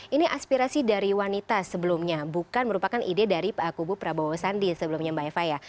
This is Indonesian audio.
ini aspirasi dari wanita sebelumnya bukan merupakan ide dari kubu prabowo sandi sebelumnya mbak eva ya